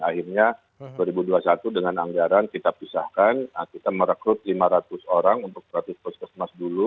akhirnya dua ribu dua puluh satu dengan anggaran kita pisahkan kita merekrut lima ratus orang untuk seratus puskesmas dulu